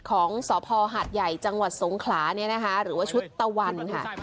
ของสพหาดใหญ่จังหวัดสงขลาเนี่ยนะคะหรือว่าชุดตะวันค่ะ